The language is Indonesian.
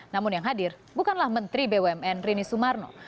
namun yang hadir bukanlah menteri bumn rini sumarno